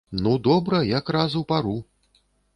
Ну, добра, якраз у пару.